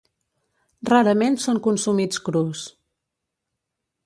Rarament són consumits crus.